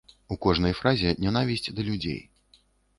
У кожнай фразе нянавісць да людзей.